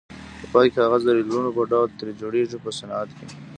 په پای کې کاغذ د ریلونو په ډول ترې جوړیږي په صنعت کې.